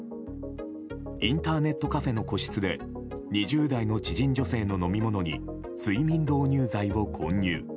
インターネットカフェの個室で２０代の知人女性の飲み物に睡眠導入剤を混入。